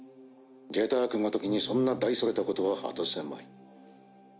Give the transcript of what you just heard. ジェタークごときにそんな大それたことは果たせまい。